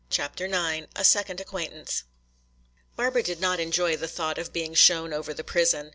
CHAPTER IX A Second Acquaintance Barbara did not enjoy the thought of being shown over the prison.